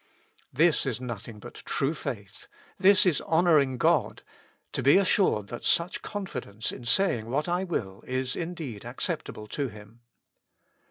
This is nothing but true faith ; this is honoring God : to be assured that such confidence in saying what I will is indeed acceptable to Him.